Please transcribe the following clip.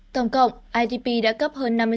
tổng cộng idp đã cấp hơn chín sáu trăm linh chứng chỉ